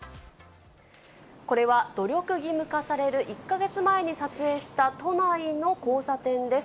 これは努力義務化される１か月前に撮影した都内の交差点です。